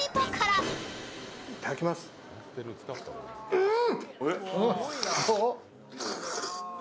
うん！